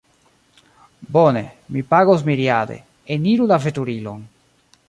Bone, mi pagos miriade. Eniru la veturilon